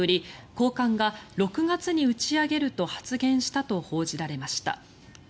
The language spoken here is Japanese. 高官が６月に打ち上げると発言したと報じられました。